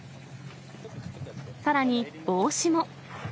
さらに帽子も。